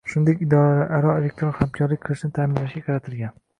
shuningdek idoralararo elektron hamkorlik qilishni ta’minlashga qaratilgan